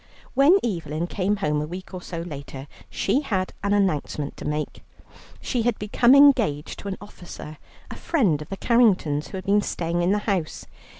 When Evelyn came home a week or so later, she had an announcement to make. She had become engaged to an officer, a friend of the Carringtons, who had been staying in the house.